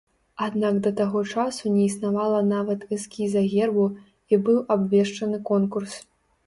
Аднак да таго часу не існавала нават эскіза гербу, і быў абвешчаны конкурс.